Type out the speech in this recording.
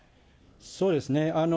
そうですね。